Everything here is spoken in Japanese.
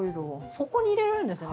そこに入れるんですね